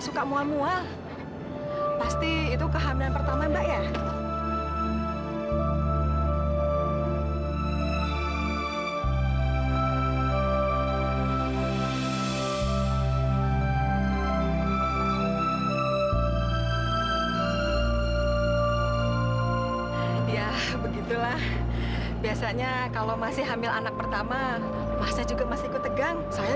sampai jumpa di video selanjutnya